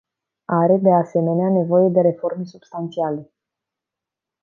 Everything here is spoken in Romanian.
Are, de asemenea, nevoie de reforme substanțiale.